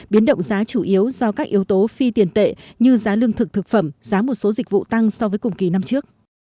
biến động giá chủ yếu do các yếu tố phi tiền tệ như giá lương thực thực phẩm giá một số dịch vụ tăng so với cùng kỳ năm trước